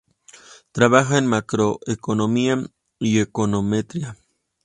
Trabaja en macroeconomía y econometría.